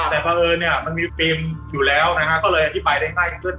แต่เพราะเอิญเนี่ยมันมีฟิล์มอยู่แล้วนะฮะก็เลยอธิบายได้ง่ายขึ้น